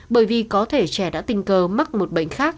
bởi vì có thể trẻ đã tình cờ mắc một bệnh khác